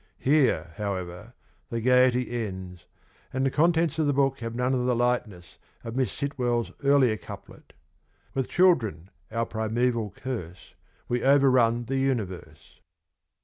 Here, however, the gaiety ends and the contents of the book have none of the lightness of Miss Sitwell's earlier couplet : With children our primeval curse We overrun the universe.